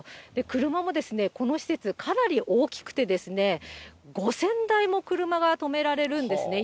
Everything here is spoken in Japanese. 車もこの施設、かなり大きくて、５０００台も車が止められるんですね。